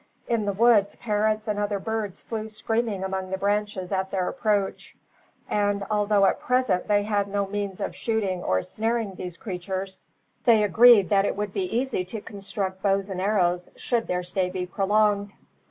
In the woods parrots and other birds flew screaming among the branches at their approach, and although at present they had no means of shooting or snaring these creatures, they agreed that it would be easy to construct bows and arrows, should their stay be prolonged.